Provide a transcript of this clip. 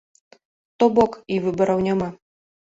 То бок, і выбараў няма.